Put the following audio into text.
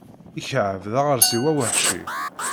Ikεeb d aɣersiw aweḥci.